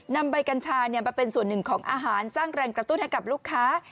นำใบกัญชามาเป็นส่วนหนึ่งของอาหารสร้างแรงกระตุ้นให้กับลูกค้า